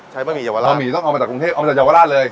บะหมี่เยาวราชบะหมี่ต้องเอามาจากกรุงเทพเอามาจากเยาวราชเลย